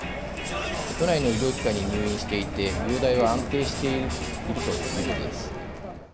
都内の医療機関に入院していて容体は安定しているということです。